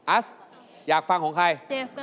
ัสอยากฟังของใคร